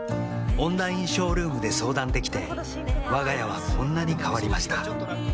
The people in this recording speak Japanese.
オンラインショールームで相談できてわが家はこんなに変わりました